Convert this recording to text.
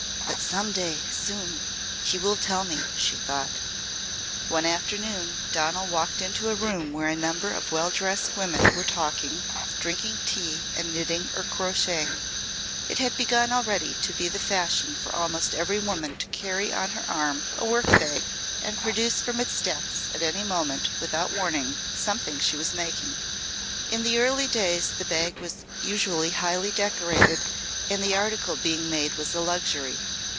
"But some day soon he will tell me," she thought. One afternoon Donal walked into a room where a number of well dressed women were talking, drinking tea and knitting or crocheting. It had begun already to be the fashion for almost every woman to carry on her arm a work bag and produce from its depths at any moment without warning something she was making. In the early days the bag was usually highly decorated and the article being made was a luxury.